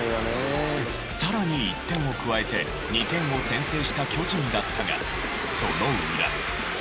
さらに１点を加えて２点を先制した巨人だったがその裏。